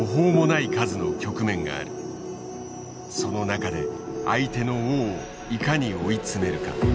その中で相手の王をいかに追い詰めるか。